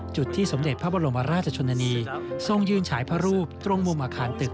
จุดที่สมเด็จพระบรมราชชนนานีทรงยืนฉายพระรูปตรงมุมอาคารตึก